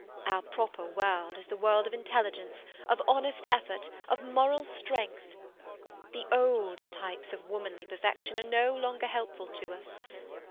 Our proper world is the world of intelligence, of honest effort, of moral strength. The old types of womanly perfection are no longer helpful to us.